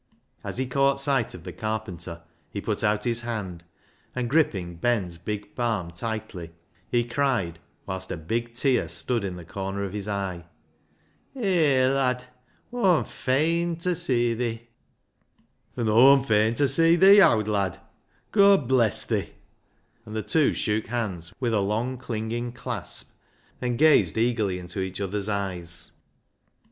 As he caught sight of the carpenter, he put out his hand, and gripping Ben's big palm tightly, he cried, whilst a big tear stood in the corner of his eye —" Hay, lad ! Aw'm faiii ta see thi," " An' Aw'm fain ta see thee, owd lad ; God b 1 e s s thi !" and the two shook hands, with a long clinging clasp, and gazed eagerly into each other's eyes.